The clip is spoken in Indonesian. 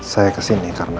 saya kesini karena